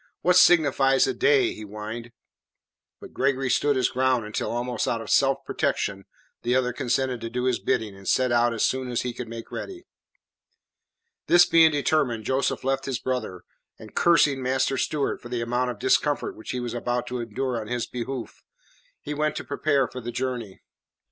"What signifies a day?" he whined. But Gregory stood his ground until almost out of self protection the other consented to do his bidding and set out as soon as he could make ready. This being determined, Joseph left his brother, and cursing Master Stewart for the amount of discomfort which he was about to endure on his behoof, he went to prepare for the journey.